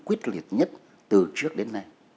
quyết liệt nhất từ trước đến nay